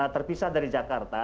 terpisah dari jakarta